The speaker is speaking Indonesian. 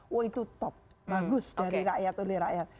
wah itu top bagus dari rakyat oleh rakyat